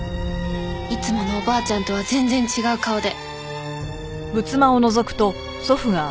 いつものおばあちゃんとは全然違う顔で。